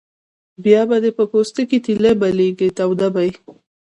بیا به دې په پوستکي تیلی بلېږي توده به یې.